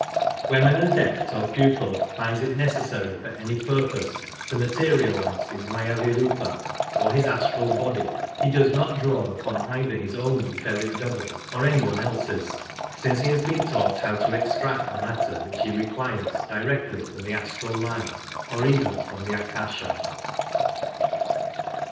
When an Adept or pupil finds it necessary for any pur pose to materialize his MHyavirQpa or his astral body, he does not draw upon either his own etheric double or any one else's, since he has been taught how to extract the matter which he requires directly from the astral light or even from the Akasha.